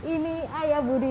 ini ayah budi